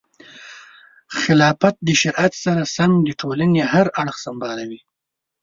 خلافت د شریعت سره سم د ټولنې هر اړخ سمبالوي.